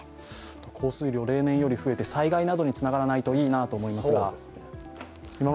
降水量、例年より増えて、災害などにつながらないといいなと思うんですが。